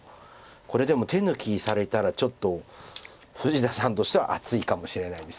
これでも手抜きされたらちょっと富士田さんとしては熱いかもしれないです。